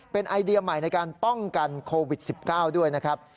เป็นไอเดียใหม่ในการป้องกันโควิด๑๙ด้วยนะครับ